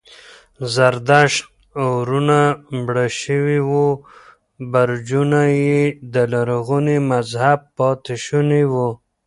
زردشت اورونه مړه شوي وو، برجونه یې د لرغوني مذهب پاتې شوني و.